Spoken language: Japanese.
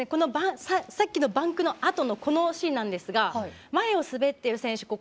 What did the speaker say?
さっきのバンクのあとのこのシーンなんですが前を滑っている選手